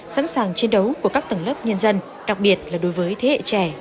sẵn sàng chiến đấu của các tầng lớp nhân dân đặc biệt là đối với thế hệ trẻ